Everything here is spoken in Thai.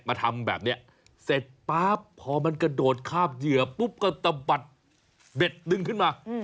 ทำแบบนี้เสร็จปั๊บพอมันกระโดดคาบเหยื่อปุ๊บก็ตะบัดเบ็ดดึงขึ้นมา